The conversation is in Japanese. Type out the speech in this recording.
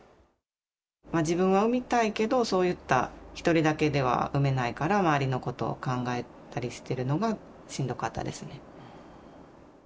自分は産みたいけど、そういった、一人だけでは産めないから、周りのことを考えたりしてるのがしんどかったですね。